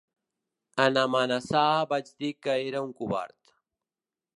En amenaçar vaig dir que era un covard.